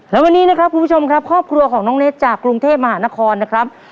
และวันนี้นะครับคุณผู้ชมครับครอบครัวของน้องเน็ตจากกรุงเทพมหานครนะครับ